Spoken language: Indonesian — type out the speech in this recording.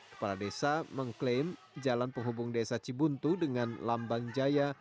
kepala desa mengklaim jalan penghubung desa cibuntu dengan lambang jaya